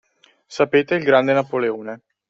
Sapete il grande Napoleone